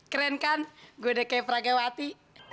keren kan gua udah kayak perang gewati